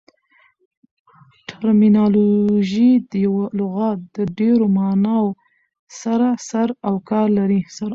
ټرمینالوژي د یوه لغات د ډېرو ماناوو سره سر او کار لري.